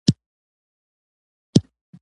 لویو مقامونو ته رسیږي.